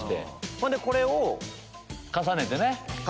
ほんでこれを重ねて。